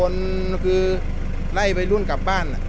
คือไล่วัยรุ่นกลับบ้าน